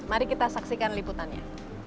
mari kita saksikan liputannya